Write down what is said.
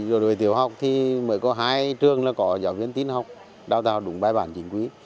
rồi tiểu học thì mới có hai trường có giáo viên tiết học đào tạo đúng bài bản chính quý